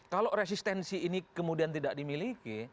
kalau resistensi ini kemudian tidak dimiliki